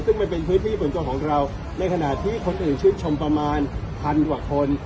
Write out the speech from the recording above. ซึ่งมันเป็นพื้นที่ส่วนตัวของเราในขณะที่คนอื่นชื่นชมประมาณพันกว่าคน